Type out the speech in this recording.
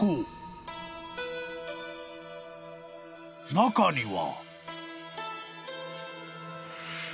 ［中には］